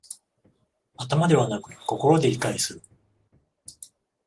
頭ではなく心で理解する